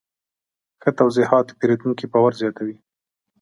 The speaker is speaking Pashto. ښه توضیحات د پیرودونکي باور زیاتوي.